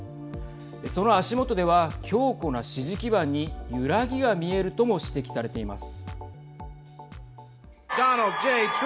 その足元では強固な支持基盤に揺らぎが見えるとも指摘されています。